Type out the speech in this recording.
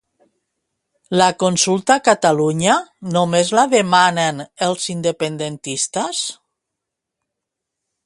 La consulta a Catalunya només la demanen els independentistes?